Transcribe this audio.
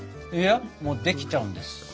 いやもうできちゃうんです。